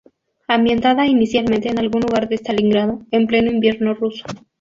Ambientada inicialmente en algún lugar de Stalingrado, en pleno invierno ruso.